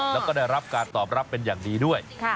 แล้วก็ได้รับการตอบรับเป็นอย่างดีด้วย